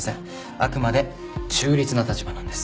あくまで中立な立場なんです。